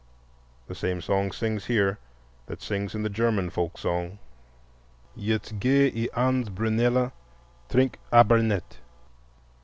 The same voice sings here that sings in the German folk song: "Jetz Geh i' an's brunele, trink' aber net."